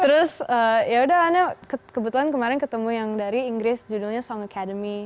terus yaudah anda kebetulan kemarin ketemu yang dari inggris judulnya song academy